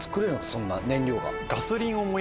そんな燃料が。